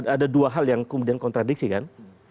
ada dua hal yang kemudian kontradiksi kan